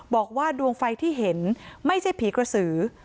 บอกว่าดวงไฟที่เห็นไม่ใช่อาจารย์เดียว